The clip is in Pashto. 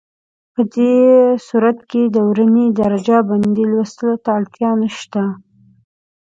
په دې صورت کې د ورنيې د درجه بندۍ لوستلو ته اړتیا نشته.